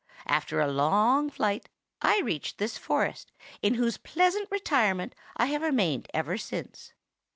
After a long flight, I reached this forest, in whose pleasant retirement I have remained ever since.